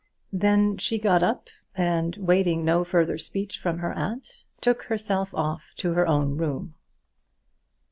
Then she got up, and waiting no further speech from her aunt, took herself off to her own room.